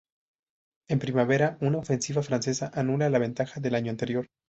En primavera, una ofensiva francesa anula la ventaja del año anterior.